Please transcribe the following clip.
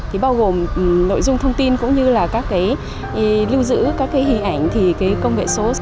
thì bao gồm nội dung thông tin cũng như là các lưu giữ các hình ảnh công nghệ số